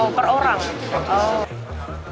oh per orang